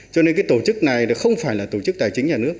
cho nên cái tổ chức này không phải là tổ chức tài chính nhà nước